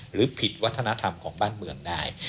หรือผิดวัฒนธรรมของบ้านเมืองได้